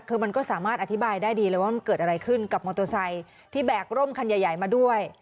คือมันก็สามารถอธิบายได้ดีเลยว่ามันเกิดอะไรขึ้นกับมอเตอร์ไซค์ที่แบกร่มคันใหญ่มาด้วย